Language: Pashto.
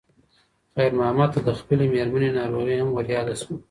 خیر محمد ته د خپلې مېرمنې ناروغي هم ور یاده شوه.